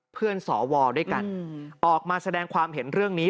สวด้วยกันออกมาแสดงความเห็นเรื่องนี้